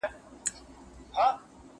دا جواب ورکول له هغه مهم دي..